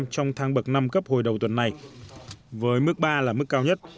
trong tháng bậc năm cấp hồi đầu tuần này với mức ba là mức cao nhất